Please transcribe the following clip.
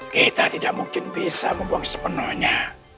kita tidak mungkin bisa membuang sepenuhnya